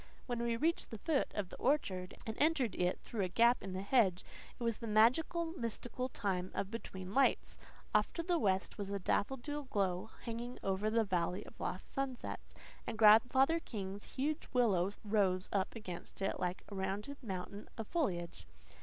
When we reached the foot of the orchard and entered it through a gap in the hedge it was the magical, mystical time of "between lights." Off to the west was a daffodil glow hanging over the valley of lost sunsets, and Grandfather King's huge willow rose up against it like a rounded mountain of foliage.